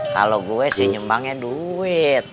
kalau gue sih nyumbangnya duit